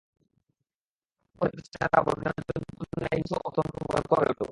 ক্রোধান্বিত হলে তার চেহারা বন্যজন্তুর ন্যায় হিংস্র ও অত্যন্ত ভয়ঙ্কর হয়ে উঠত।